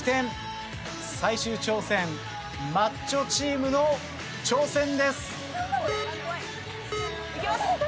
最終挑戦マッチョチームの挑戦です。